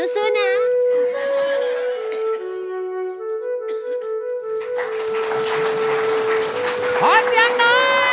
ซูซูนะ